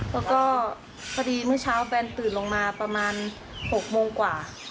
แล้วก็พอดีเมื่อเช้าแฟนตื่นลงมาประมาณ๖โมงกว่า